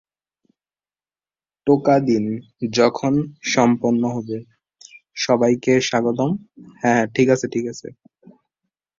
তার মামাতো বোন এপ্রিল মাসে মৃত্যুবরণ করে।